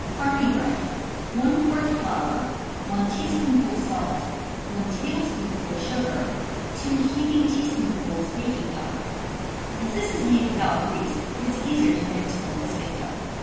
drmy Bread. 1 quart flour, 1 teaspoonful salt, 1 tablespoonful sugar, 2 heaping teaspoonfuls baking powder. As this is made without grease, it is easier to mix than biscuit dough.